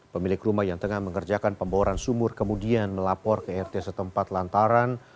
pemilik rumah yang tengah mengerjakan pembawaan sumur kemudian melapor ke rt setempat lantaran